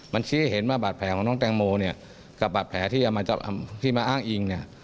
มันชี้ให้เห็นว่าบาดแผลของน้องแตงโมเนี่ยกับบาดแผลที่มาอ้างอิงเนี่ย